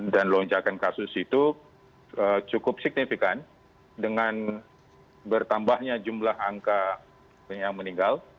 lonjakan kasus itu cukup signifikan dengan bertambahnya jumlah angka yang meninggal